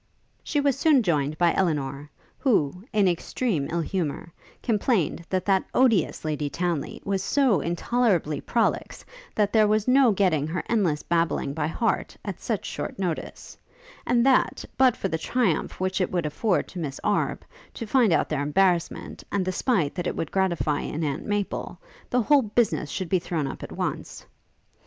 She was soon joined by Elinor, who, in extreme ill humour, complained that that odious Lady Townly was so intolerably prolix, that there was no getting her endless babbling by heart, at such short notice: and that, but for the triumph which it would afford to Miss Arbe, to find out their embarrassment, and the spite that it would gratify in Aunt Maple, the whole business should be thrown up at once.